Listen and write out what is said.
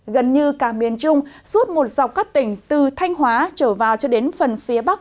gần như cả miền trung suốt một dọc các tỉnh từ thanh hóa trở vào cho đến phần phía bắc